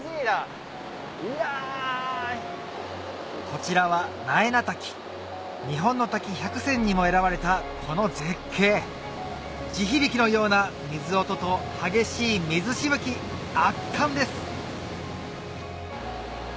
こちらは日本の滝１００選にも選ばれたこの絶景地響きのような水音と激しい水しぶき圧巻です